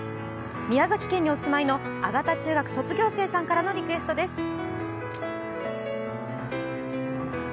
宮崎県にお住まいのあがた中学卒業生さんからのリクエストです。